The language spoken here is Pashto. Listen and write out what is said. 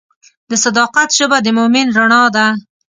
د صداقت ژبه د مؤمن رڼا ده.